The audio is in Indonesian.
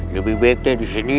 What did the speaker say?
lebih baik aku di sini